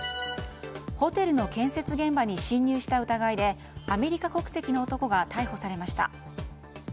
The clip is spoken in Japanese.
ホテルの建設現場に侵入した疑いでアメリカ国籍の男が逮捕されました。